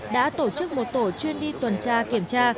đã tổ chức một tổ chuyên đi tuần tra kiểm tra